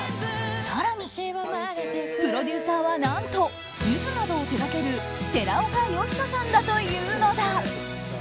更にプロデューサーは何と、ゆずなどを手掛ける寺岡呼人さんだというのだ。